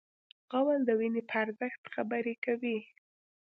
غول د وینې په ارزښت خبرې کوي.